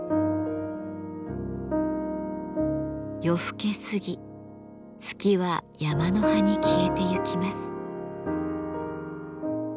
夜更け過ぎ月は山の端に消えてゆきます。